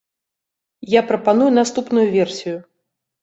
Я прапаную наступную версію.